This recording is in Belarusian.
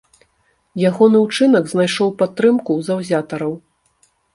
Ягоны ўчынак знайшоў падтрымку ў заўзятараў.